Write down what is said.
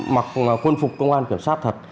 mặc quân phục công an kiểm sát thật